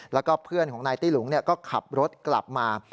แล้วก็เพื่อนของนายตี้หลุงก็ขับรถกลับมา